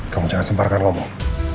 kamu jangan semparkan ngomong